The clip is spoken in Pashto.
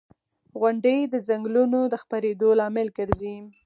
• غونډۍ د ځنګلونو د خپرېدو لامل ګرځي.